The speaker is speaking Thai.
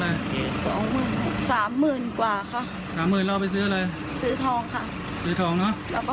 แล้วก็เงินที่เหลือค่ะ